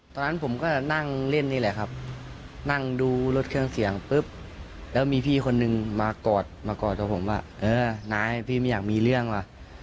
ตอนนั้นผมก็นั่งเล่นนี่แหละครับนั่งดูรถเครื่องเสียงปุ๊บแล้วมีพี่คนนึงมากอดมากอดกับผมว่าเออนายพี่ไม่อยากมีเรื่องว่ะ